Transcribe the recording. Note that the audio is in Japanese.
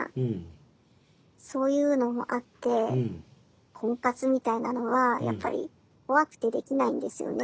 そういうのもあって婚活みたいなのはやっぱり怖くてできないんですよね。